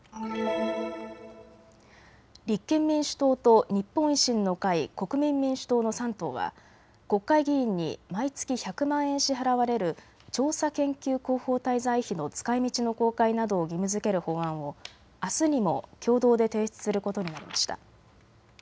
立憲民主党と日本維新の会、国民民主党の３党は国会議員に毎月１００万円支払われる調査研究広報滞在費の使いみちの公開などを義務づける法案をあすにも共同で提出することになりました。